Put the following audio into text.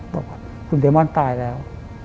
บอกว่าคุณเดมอนตายแล้ว